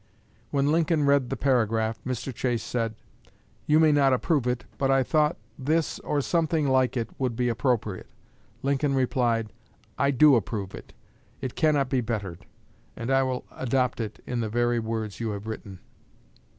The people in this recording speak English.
When Lincoln read the paragraph, Mr. Chase said: "You may not approve it, but I thought this, or something like it, would be appropriate." Lincoln replied: "I do approve it; it cannot be bettered, and I will adopt it in the very words you have written."